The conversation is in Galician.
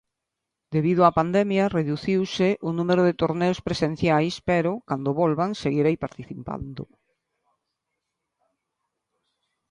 Debido á pandemia, reduciuse o número de torneos presenciais pero, cando volvan, seguirei participando.